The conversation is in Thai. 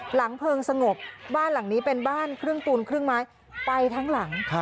หลังเพลิงสงบบ้านหลังนี้เป็นบ้านครึ่งปูนครึ่งไม้ไปทั้งหลัง